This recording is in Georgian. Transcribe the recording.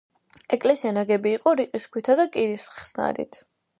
ეკელსია ნაგები იყო რიყის ქვითა და კირის ხსნარით.